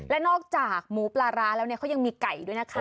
และนอกจากหมูปลาร้าแล้วเนี่ยเขายังมีไก่ด้วยนะคะ